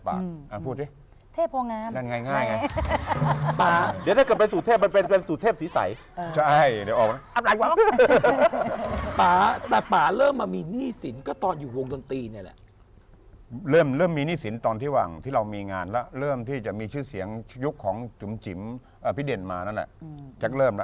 พ่อตั้งให้พ่อพ่อแม่ตั้งชื่อให้อ๋อจริงเหรอเทพโพงาม